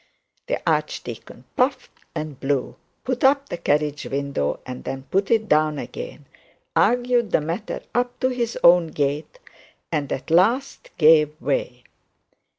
The archdeacon puffed and blew, put up the carriage window and then put it down again, argued the matter up to his own gate, and at last gave way.